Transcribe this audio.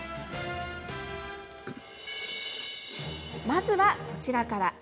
まずは、こちらから。